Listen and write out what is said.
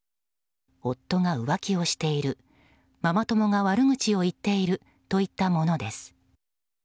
夫が浮気をしているママ友が悪口を言っているといったものです。